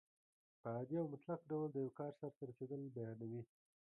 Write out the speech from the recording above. په عادي او مطلق ډول د یو کار سرته رسېدل بیانیوي.